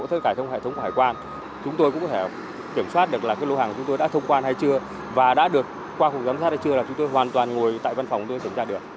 trong hệ thống hải quan chúng tôi cũng có thể kiểm soát được là lô hàng chúng tôi đã thông quan hay chưa và đã được qua khu giám sát hay chưa là chúng tôi hoàn toàn ngồi tại văn phòng chúng tôi kiểm tra được